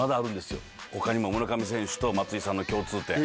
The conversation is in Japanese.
他にも村上選手と松井さんの共通点。